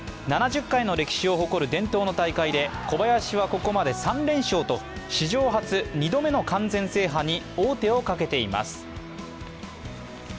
７０回の歴史を誇る伝統の大会で小林はここまで３連勝と史上初２度目の完全制覇に王手をかけています。